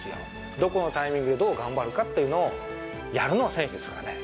どこのタイミングで、どう頑張るかというのを、やるのは選手ですからね。